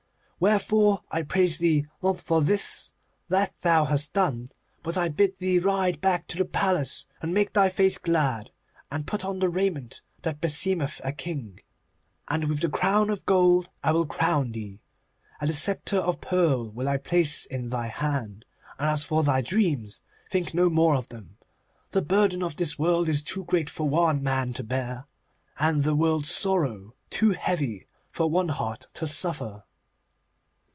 Wherefore I praise thee not for this that thou hast done, but I bid thee ride back to the Palace and make thy face glad, and put on the raiment that beseemeth a king, and with the crown of gold I will crown thee, and the sceptre of pearl will I place in thy hand. And as for thy dreams, think no more of them. The burden of this world is too great for one man to bear, and the world's sorrow too heavy for one heart to suffer.